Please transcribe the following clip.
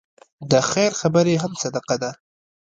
د خیر خبرې هم صدقه ده.